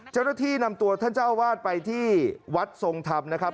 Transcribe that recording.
เจ้าหน้าที่นำตัวท่านเจ้าอาวาสไปที่วัดทรงธรรมนะครับ